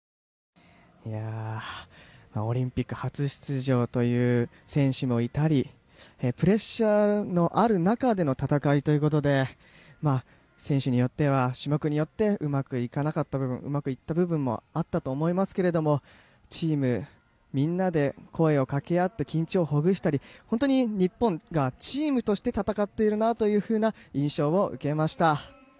オリンピック初出場という選手もいたりプレッシャーのある中での戦いということで選手によっては種目によってうまくいかなかった部分うまくいった部分もあったと思いますけれどチームみんなで声をかけ合って緊張をほぐしたり本当に日本がチームとして戦っているなというふうな印象を受けました。